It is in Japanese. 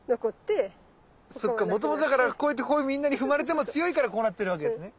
そっかもともとだからこうやってこうみんなに踏まれても強いからこうなってるわけですね。